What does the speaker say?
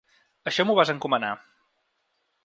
Això m’ho vas encomanar.